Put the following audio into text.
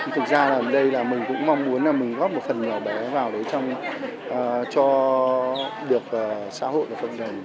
thực ra là ở đây mình cũng mong muốn góp một phần nào đó vào để cho được xã hội và phận đồng